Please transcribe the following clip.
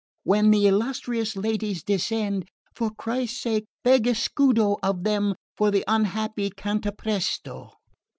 When the illustrious ladies descend, for Christ's sake beg a scudo of them for the unhappy Cantapresto."